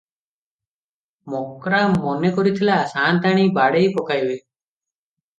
ମକ୍ରା ମନେ କରିଥିଲା, ସାଅନ୍ତାଣୀ ବାଡ଼େଇ ପକାଇବେ ।